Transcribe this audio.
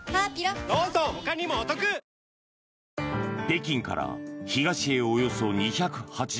北京から東へおよそ２８０ｋｍ。